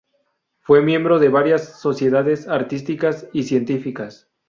Fue miembro de varias sociedades artísticas y científicas.